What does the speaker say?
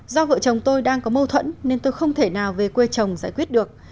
do vợ chồng tôi đang có mâu thuẫn nên tôi không thể nào về quê chồng giải quyết được